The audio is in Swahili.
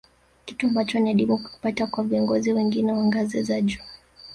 Kitu ambacho ni adimu kukipata kwa viongozi wengine wa ngazi za juu